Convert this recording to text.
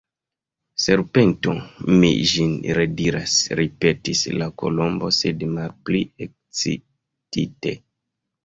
"Serpento, mi ĝin rediras," ripetis la Kolombo, sed malpli ekscitite.